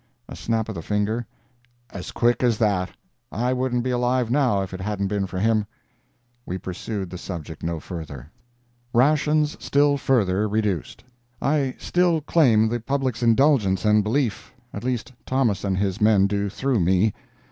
A snap of the finger—"As quick as that!—I wouldn't be alive now if it hadn't been for him." We pursued the subject no further. RATIONS STILL FURTHER REDUCED I still claim the public's indulgence and belief. At least Thomas and his men do through me.